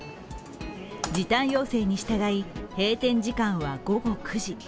時短要請に従い、閉店時間は午後９時。